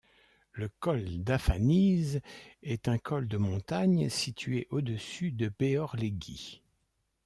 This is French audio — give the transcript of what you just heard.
Le col d'Aphanize est un col de montagne situé au-dessus de Béhorléguy.